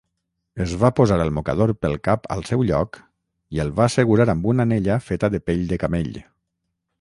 Es va posar el mocador pel cap al seu lloc i el va assegurar amb una anella feta de pell de camell.